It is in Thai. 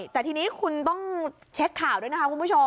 แต่ทีนี้คุณต้องเช็คข่าวด้วยนะคะคุณผู้ชม